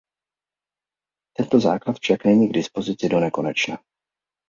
Tento základ však není k dispozici donekonečna.